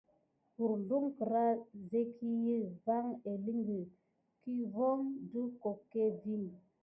Hurzlum kécra ziki vaŋ élinkə kufon ɗe tokgue vin.